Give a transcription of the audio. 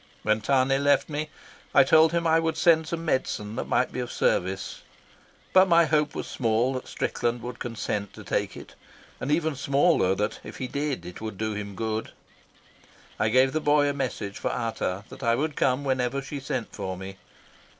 When Tane left me I told him I would send some medicine that might be of service; but my hope was small that Strickland would consent to take it, and even smaller that, if he did, it would do him good. I gave the boy a message for Ata that I would come whenever she sent for me.